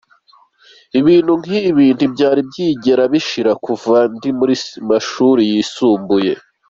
Ibintu nk'ibi ntivyari bwigere bishika kuva ndi mu mashure yisumbuye.